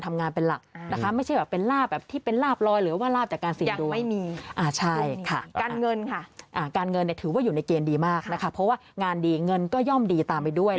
ไม่ได้ซับสินซับสินมาเป็นชิ้นด้วย